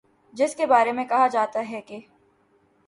جس کے بارے میں کہا جاتا ہے کہ